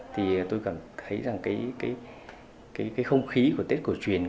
tôi cảm thấy rằng không khí của tết cổ truyền